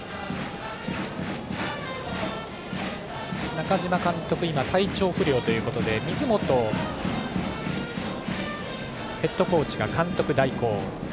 中嶋監督は今、体調不良ということで水本ヘッドコーチが監督代行。